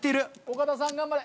岡田さん頑張れ！